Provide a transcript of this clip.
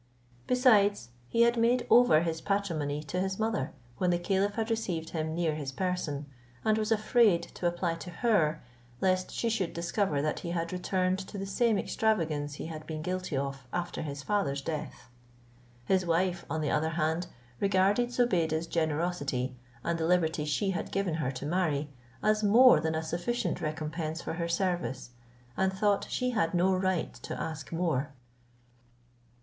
Besides, he had made over his patrimony to his mother, when the caliph had received him near his person, and was afraid to apply to her, lest she should discover that he had returned to the same extravagance he had been guilty of after his father's death. His wife, on the other hand, regarded Zobeide's generosity, and the liberty she had given her to marry, as more than a sufficient recompense for her service, and thought she had no right to ask more.